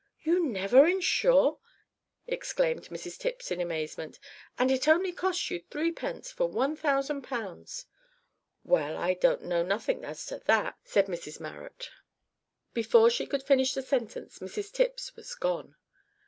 "You never insure!" exclaimed Mrs Tipps in amazement; "and it only costs you threepence for one thousand pounds." "Well, I don't know nothink as to that " said Mrs Marrot. Before she could finish the sentence Mrs Tipps was gone.